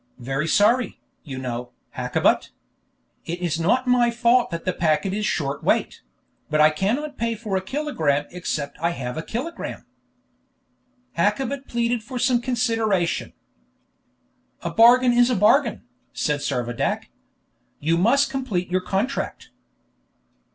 "Very sorry, you know, Hakkabut. It is not my fault that the packet is short weight; but I cannot pay for a kilogramme except I have a kilogramme." Hakkabut pleaded for some consideration. "A bargain is a bargain," said Servadac. "You must complete your contract."